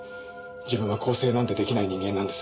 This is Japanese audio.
自分は更生なんてできない人間なんです。